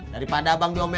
daripada abang keceplosan